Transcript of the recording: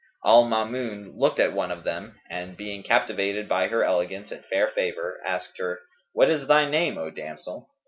Al Maamun looked at one of them; and, being captivated by her elegance and fair favour, asked her, "What is thy name, O damsel?"